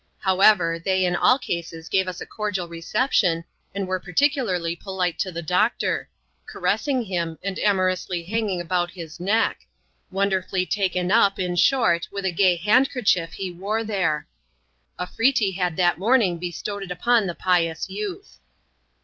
However, they in all xiSises gave ns a cordial reception, and were particularly polite to the doctor ; caressing him, and amorously hanging about his neck ; wonderfully taken up, in short, with a gay handkerchief he wore there. Arfretee had that morning bestowed it upon the pious youth.